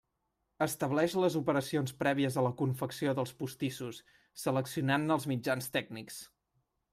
Estableix les operacions prèvies a la confecció dels postissos seleccionant-ne els mitjans tècnics.